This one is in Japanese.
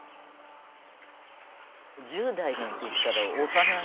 １０代なんて言ったら幼い。